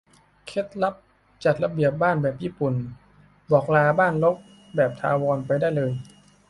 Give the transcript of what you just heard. เคล็ดลับจัดระเบียบบ้านแบบญี่ปุ่น บอกลาบ้านรกแบบถาวรไปได้เลย